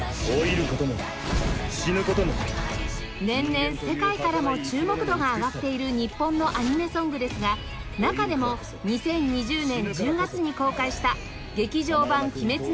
年々世界からも注目度が上がっている日本のアニメソングですが中でも２０２０年１０月に公開した『劇場版「鬼滅の刃」